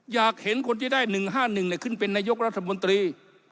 อยากเห็นคนที่ได้๑๕๑ขึ้นเป็นนายกรัฐมนตรี